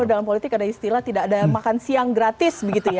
dalam politik ada istilah tidak ada makan siang gratis begitu ya